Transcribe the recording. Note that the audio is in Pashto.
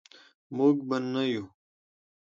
موږ به نه یو.